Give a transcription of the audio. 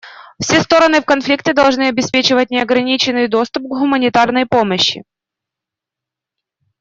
Все стороны в конфликте должны обеспечивать неограниченный доступ к гуманитарной помощи.